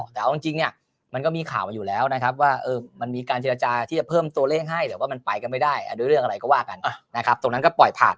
แต่เอาจริงเนี่ยมันก็มีข่าวมาอยู่แล้วนะครับว่ามันมีการเจรจาที่จะเพิ่มตัวเลขให้หรือว่ามันไปกันไม่ได้ด้วยเรื่องอะไรก็ว่ากันนะครับตรงนั้นก็ปล่อยผ่าน